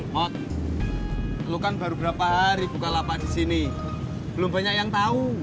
mot lo kan baru berapa hari bukalapak disini belum banyak yang tau